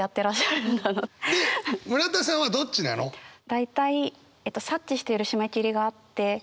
大体察知している締め切りがあって。